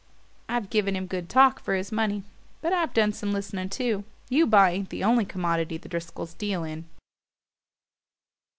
I've given him good talk for his money; but I've done some listening too. Eubaw ain't the only commodity the Driscolls deal in."